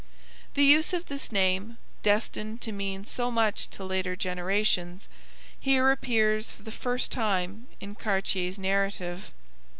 The use of this name, destined to mean so much to later generations, here appears for the first time in Cartier's narrative.